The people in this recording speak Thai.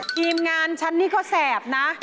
ทีมงานฉันนี่เขาแสบนะ